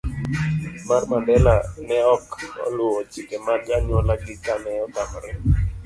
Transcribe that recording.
C. mar Mandela ne ok oluwo chike mag anyuolagi kane otamore